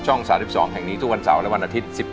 ๓๒แห่งนี้ทุกวันเสาร์และวันอาทิตย์